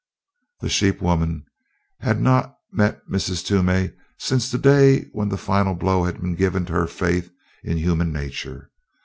The sheep woman had not met Mrs. Toomey since the day when the final blow had been given to her faith in human nature.